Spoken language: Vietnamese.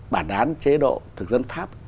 bản đán chế độ thực dân pháp